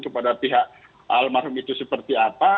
kepada pihak almarhum itu seperti apa